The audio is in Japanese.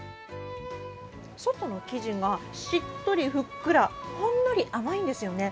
外の生地がしっとり、ふっくら、ほんのり甘いんですよね